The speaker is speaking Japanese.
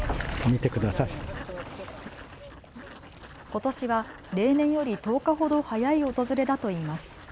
ことしは例年より１０日ほど早い訪れだといいます。